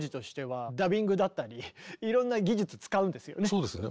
そうですね。